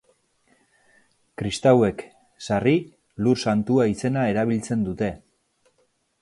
Kristauek, sarri, Lur Santua izena erabiltzen dute.